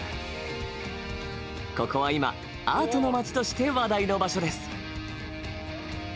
ここは今、アートの街として話題の場所です。